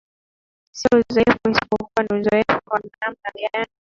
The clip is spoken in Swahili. sio uzoefu isipokuwa ni uzoefu wa namna gani